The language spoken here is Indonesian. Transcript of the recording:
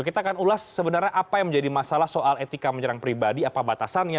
kita akan ulas sebenarnya apa yang menjadi masalah soal etika menyerang pribadi apa batasannya